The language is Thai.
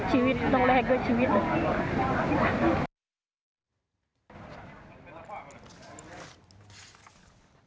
ชีวิตต้องแลกด้วยชีวิต